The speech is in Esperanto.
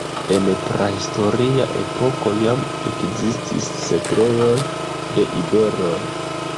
En prahistoria epoko jam ekzistis setlejoj de iberoj.